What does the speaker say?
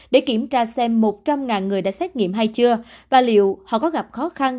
để kiểm tra xem một trăm linh người đã xét nghiệm hay chưa và liệu họ có gặp khó khăn